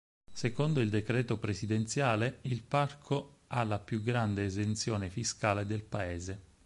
Secondo il decreto presidenziale, il parco ha la più grande esenzione fiscale del paese.